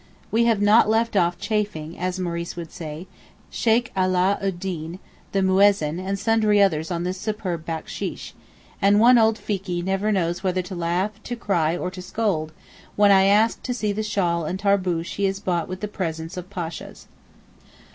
We have not left off chaffing (as Maurice would say) Sheykh Allah ud deen, the Muezzin, and sundry others on this superb backsheesh, and one old Fikee never knows whether to laugh, to cry, or to scold, when I ask to see the shawl and tarboosh he has bought with the presents of Pashas.